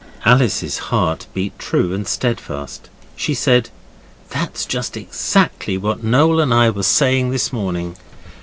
Alice's heart beat true and steadfast. She said, 'That's just exactly what Noel and I were saying this morning.